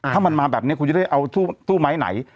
ถ้ามันมาแบบนี้คุณจะได้เอาตู้ไม้ไหน